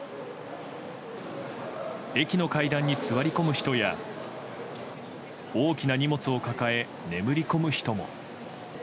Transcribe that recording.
駅の階段に座り込む人や大きな荷物を抱え眠り込む人も。